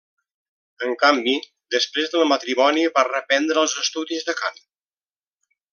En canvi, després del matrimoni va reprendre els estudis de cant.